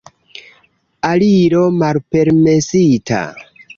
Aliro malpermesita.